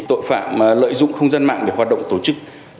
tội phạm lợi dụng không gian mạng để hoạt động tổ chức